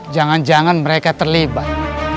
jangan jangan mereka terlibat